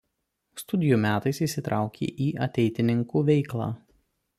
Studijų metais įsitraukė į ateitininkų veiklą.